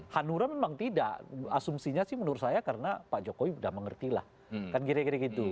hanura memang tidak asumsinya sih menurut saya karena pak jokowi sudah mengerti lah kan kira kira gitu